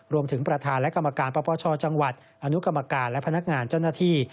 รวมถึงประธานและกรรมการปปชจังหวัดอนุกรรมการและพนักงานเจ้าหน้าที่